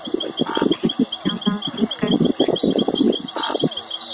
辖境相当今甘肃省岷县。